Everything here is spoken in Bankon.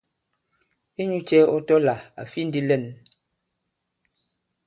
Inyūcɛ̄ ɔ tɔ̄ là à fi ndī lɛ᷇n?